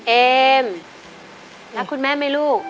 เอมรักคุณแม่ไหมลูก